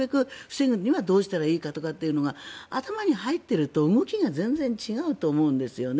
防ぐにはどうしたらいいかというのが頭に入っていると動きが全然違うと思うんですよね。